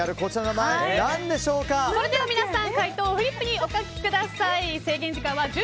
それでは皆さん解答をフリップにお書きください。